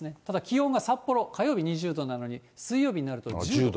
ただ気温が札幌、火曜日２０度なのに、水曜日になると。